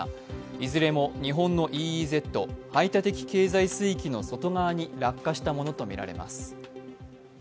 いずれも日本のＥＥＺ＝排他的経済水域の外側に落下したものとみられます。